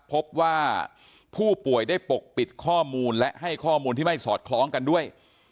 พบว่าผู้ป่วยได้ปกปิดข้อมูลและให้ข้อมูลที่ไม่สอดคล้องกันด้วย